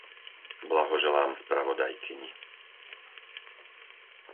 Blahoželám spravodajkyni.